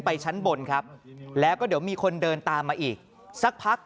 ชั้นบนครับแล้วก็เดี๋ยวมีคนเดินตามมาอีกสักพัก